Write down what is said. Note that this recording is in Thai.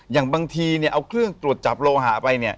อย่างบางทีเอาเครื่องตรวจจับโลหะไปเนี่ย